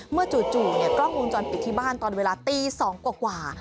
จู่กล้องวงจรปิดที่บ้านตอนเวลาตี๒กว่า